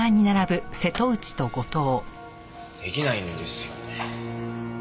出来ないんですよね。